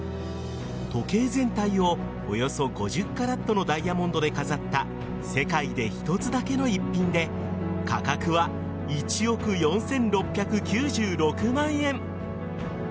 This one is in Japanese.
時計全体をおよそ５０カラットのダイヤモンドで飾った世界で一つだけの逸品で価格は１億４６９６万円。